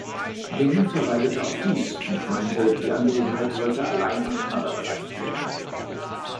Byng verweigerte auch dies und meinte, die Angelegenheit sollte allein in Kanada bereinigt werden.